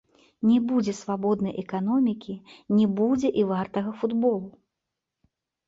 Не будзе свабоднай эканомікі, не будзе і вартага футболу.